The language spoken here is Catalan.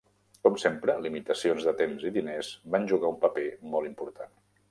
Com sempre, limitacions de temps i diners van jugar un paper molt important.